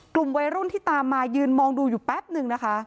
กลุ่มวัยรุ่นที่ตามมายืนมองดูอยู่แป๊บนึงนะคะ